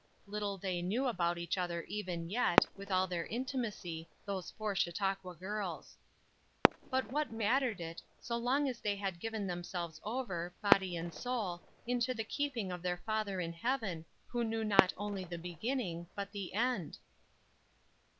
Little they knew about each other even yet, with all their intimacy, those four Chautauqua girls! But what mattered it, so long as they had given themselves over, body and soul, into the keeping of their Father in heaven, who knew not only the beginning, but the end?